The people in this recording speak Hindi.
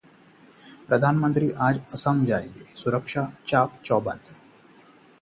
प्रधानमंत्री आज असम जाएंगे, सुरक्षा चाक-चौबंद